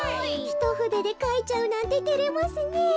ひとふででかいちゃうなんててれますねえ。